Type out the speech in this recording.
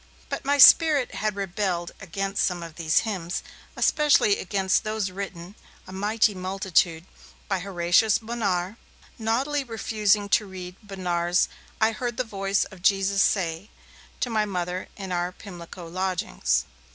But my spirit had rebelled against some of these hymns, especially against those written a mighty multitude by Horatius Bonar; naughtily refusing to read Bonar's 'I heard the voice of Jesus say' to my Mother in our Pimlico lodgings.